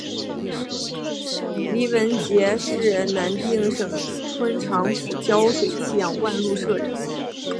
黎文敔是南定省春长府胶水县万禄社人。